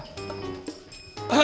masih itu banget apaan